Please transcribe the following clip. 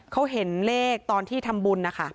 เขาเห็นเลขตอนที่ทำบุญนะคะ